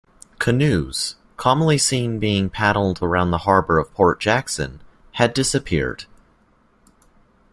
Canoes, commonly seen being paddled around the harbor of Port Jackson, had disappeared.